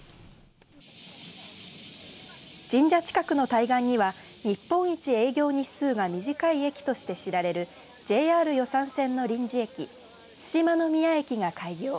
神社近くの海岸には日本一営業日数が短い駅として知られるＪＲ予讃線の臨時駅津島ノ宮駅が開業。